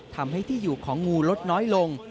ทำให้ที่อยู่ของงูลดน้อยลง